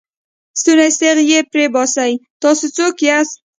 ستونی ستغ یې پرې وباسئ، تاسې څوک یاست؟